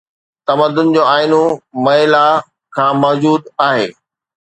تمدن جو آئينو مئي لا کان موجود آهي